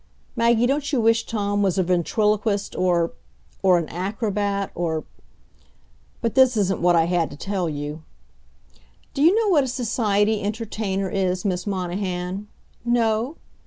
Maggie, don't you wish Tom was a ventriloquist or or an acrobat or but this isn't what I had to tell you. Do you know what a society entertainer is, Miss Monahan? No?